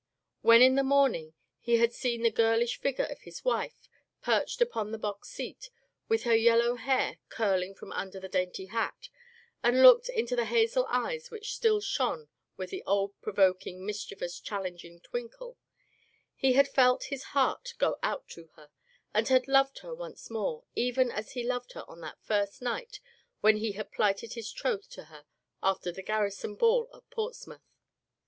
When in the morning he had seen the girlish figure of his wife perched upon the box seat, with her yellow hair curling from under the dainty hat, and looked into the hazel eyes which still shone with the old provoking, mischievous, challenging twinkle, he had felt his heart go out to her, and had loved her once more even as he loved her on that first night when he had plighted his troth to her after the garri son ball at Portsmouth.